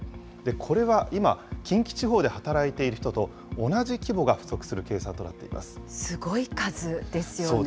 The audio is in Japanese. これは今、近畿地方で働いている人と同じ規模が不足する計算となすごい数ですよね。